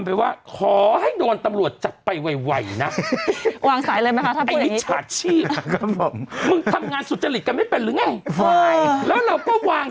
แล้วเราก็วางสายมันไปปั้ง